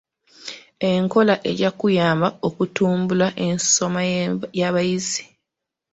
Enkola ejja kuyamba okutumbula ensoma y'abayizi.